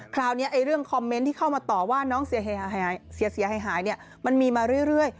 คราวนี้เรื่องคอมเมนต์ที่เข้ามาต่อว่าน้องเสียหายมันมีมาเรื่อย